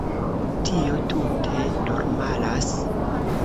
Tio tute normalas.